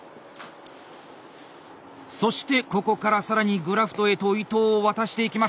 そしてここから更にグラフトへと糸を渡していきます。